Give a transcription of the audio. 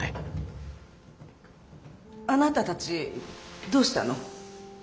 あなたたちどうしたの？